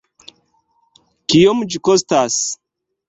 Kiom ĝi kostos?